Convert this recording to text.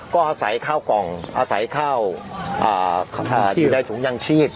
ก็อาศัยเข้ากล่องอาศัยเข้าอ่าอ่าอยู่ในถุงยังเชียด